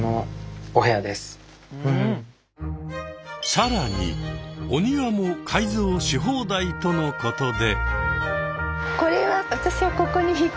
さらにお庭も改造し放題とのことで。